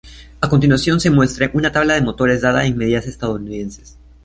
A continuación se muestra una tabla de motores dada en medidas estadounidenses.